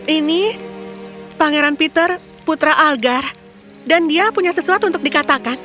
ini pangeran peter putra algar dan dia punya sesuatu untuk dikatakan